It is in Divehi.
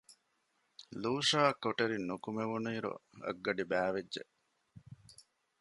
ލޫޝާއަށް ކޮޓަރިން ނުކުމެވުނު އިރު އަށްގަޑި ބައިވެއްޖެ